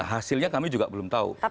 hasilnya kami juga belum tahu